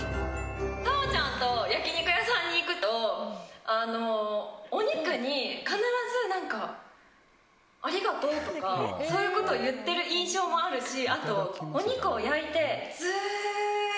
太鳳ちゃんと焼き肉屋さんに行くとお肉に必ず、ありがとうとかそういうことを言っている印象もあるし。